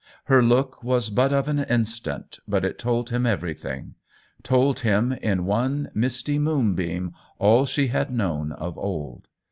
Her look was but of an instant, but it told him everything; told him, in one misty moonbeam, all she had known of old.